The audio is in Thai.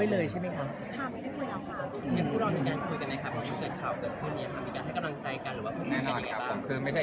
ถ้าเราเอาเรื่องนี้มาใส่ใจ